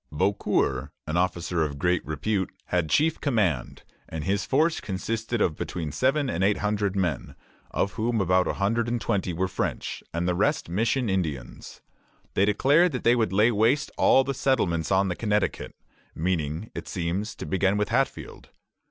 Beaucour, an officer of great repute, had chief command, and his force consisted of between seven and eight hundred men, of whom about a hundred and twenty were French, and the rest mission Indians. They declared that they would lay waste all the settlements on the Connecticut, meaning, it seems, to begin with Hatfield.